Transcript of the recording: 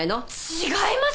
違います！